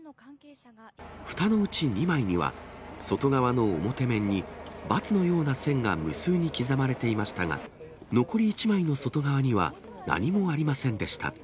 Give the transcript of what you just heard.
ふたのうち２枚には外側の表面に×のような線が無数に刻まれていましたが、残り１枚の外側には、何もありませんでした。